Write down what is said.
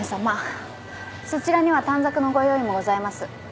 そちらには短冊のご用意もございます。